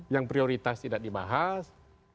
yang prioritas tidak dibahas